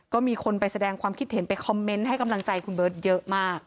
ก็มีคนไปแสดงความคิดเห็นไปคอมเมนต์ให้กำลังใจคุณเบิร์ตเยอะมาก